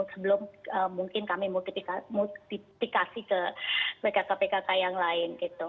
sebelum mungkin kami multiplikasi ke pkk pkk yang lain